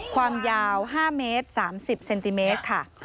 ความยาว๕เมตร๓๐เซนติเมตรค่ะ